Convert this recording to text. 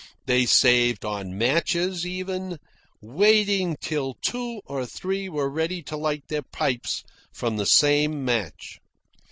They saved on matches, even, waiting till two or three were ready to light their pipes from the same match.